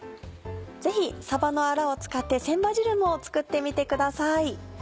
ぜひさばのアラを使って「船場汁」も作ってみてください。